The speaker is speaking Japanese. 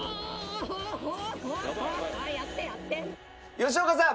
吉岡さん